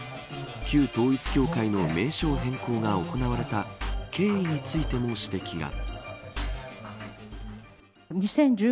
旧統一教会の名称変更が行われた経緯についても指摘が。